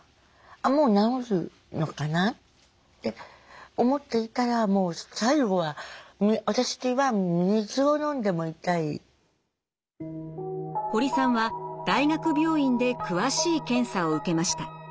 もう治るのかなって思っていたらもう最後は私は堀さんは大学病院で詳しい検査を受けました。